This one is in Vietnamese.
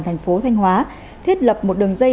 thành phố thanh hóa thiết lập một đường dây